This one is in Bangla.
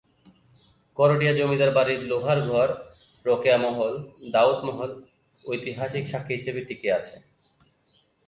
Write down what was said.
করটিয়া জমিদার বাড়ির লোহার ঘর, রোকেয়া মহল, দাউদ মহল ঐতিহাসিক সাক্ষী হিসেবে টিকে আছে।